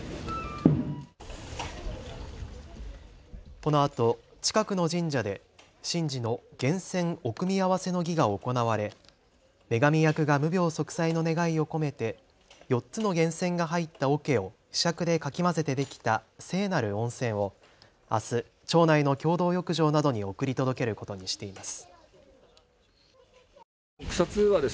このあと近くの神社で神事の源泉お汲み合わせの儀が行われ女神役が無病息災の願いを込めて４つの源泉が入ったおけをひしゃくでかき混ぜてできた聖なる温泉をあす町内の共同浴場などに送り届けることにしています。